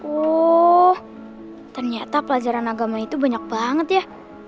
uuh ternyata pelajaran agama itu banyak banget ya